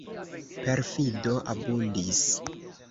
Perfido abundis.